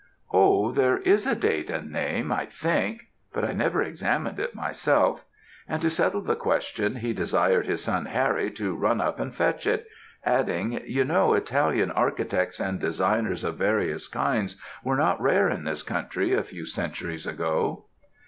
"'Oh, there is a date and name, I think but I never examined it myself;' and to settle the question he desired his son Harry to run up and fetch it, adding, 'you know Italian architects and designers of various kinds, were not rare in this country a few centuries ago.'